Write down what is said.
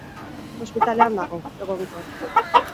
Ospitalean dago, egonkor.